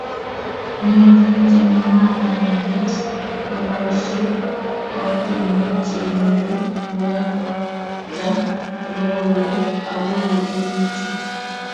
Nyoljin chemungaraindet kobaishe ortinwek chenyolu koyabta logoiwek akobo tugukchi